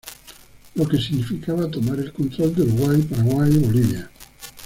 Lo que significaba tomar el control de Uruguay, Paraguay y Bolivia.